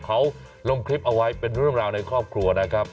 เขาลงคลิปเอาไว้เป็นเรื่องราวในครอบครัวนะครับ